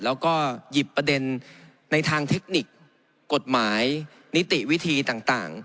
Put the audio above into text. แล้วก็หยิบประเด็นในทางเทคนิคกฎหมายนิติวิธีต่าง